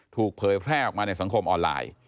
เผยแพร่ออกมาในสังคมออนไลน์